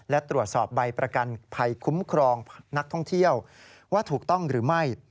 และตรวจสอบใบประกันภัยคุ้มครองนักท่องเที่ยวว่าถูกต้องหรือไม่